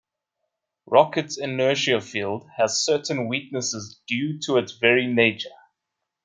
Rocket's inertia field has certain weaknesses due to its very nature.